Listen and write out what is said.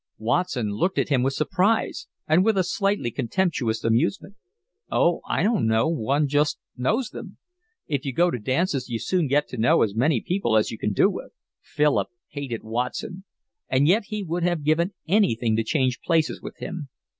Watson looked at him with surprise and with a slightly contemptuous amusement. "Oh, I don't know, one just knows them. If you go to dances you soon get to know as many people as you can do with." Philip hated Watson, and yet he would have given anything to change places with him.